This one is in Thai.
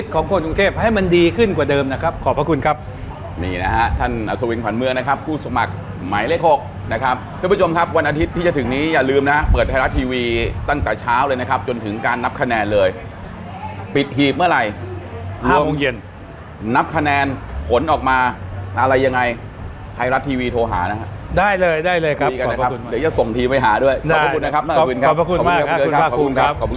ขอบพระคุณครับนี่นะฮะท่านอัศวินผันเมืองนะครับผู้สมัครไหมเลขหกนะครับทุกผู้ชมครับวันอาทิตย์ที่จะถึงนี้อย่าลืมนะฮะเปิดไทยรัตร์ทีวีตั้งแต่เช้าเลยนะครับจนถึงการนับคะแนนเลยปิดหยีบเมื่อไหร่ห้าโมงเย็นนับคะแนนผลออกมาอะไรยังไงไทยรัตร์ทีวีโทรหานะครับได้เลยได้เลยครับขอบพระคุณมากเดี